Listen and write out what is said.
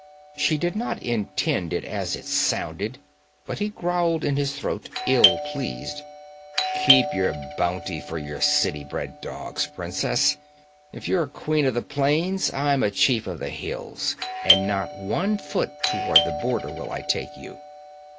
She did not intend it as it sounded, but he growled in his throat, ill pleased. 'Keep your bounty for your city bred dogs, princess! If you're a queen of the plains, I'm a chief of the hills, and not one foot toward the border will I take you!'